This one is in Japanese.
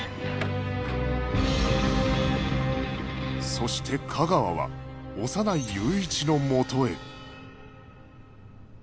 そして架川は小山内雄一のもとへ